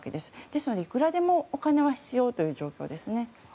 ですので、いくらでもお金は必要な状況ですね。